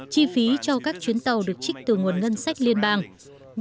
chi phí cho các chuyến tàu được trích từ nguồn ngân sách liên bang